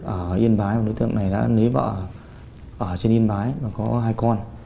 ở yên bái đối tượng này đã lấy vợ ở trên yên bái và có hai con